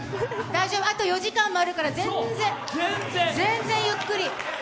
あと４時間もあるから、もう全然、全然ゆっくり。